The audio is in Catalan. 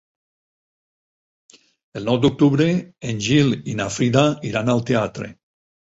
El nou d'octubre en Gil i na Frida iran al teatre.